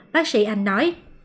bác sĩ anh nói